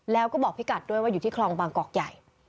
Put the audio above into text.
แล้วก็บอกพี่กัดด้วยว่าอยู่ที่คลองบางกอกใหญ่